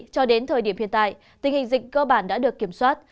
cho đến thời điểm hiện tại tình hình dịch cơ bản đã được kiểm soát